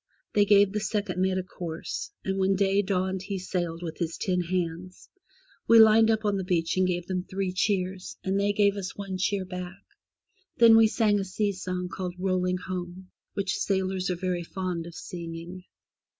They gave the second mate a course, and when day dawned he sailed with his ten hands. We lined up on the beach, and gave them three cheers, and they gave us one cheer back; then we sang a sea song called '^Rolling Home,*' which sailors are very fond of singing.